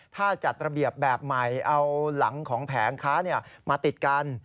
ถ้าจัดระเบียบแบบใหม่เอาหลังของแผงค้ามาติดกัน